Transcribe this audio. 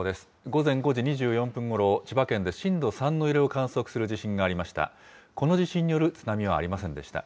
午前５時２４分ごろ、千葉県で震度３の揺れを観測する地震がありました。